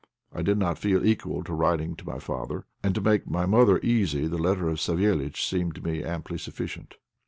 I did not feel equal to writing to my father. And to make my mother easy the letter of Savéliitch seemed to me amply sufficient.